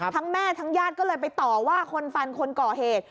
แม่ทั้งญาติก็เลยไปต่อว่าคนฟันคนก่อเหตุ